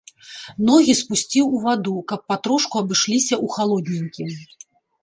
Ногі спусціў у ваду, каб патрошку абышліся ў халодненькім.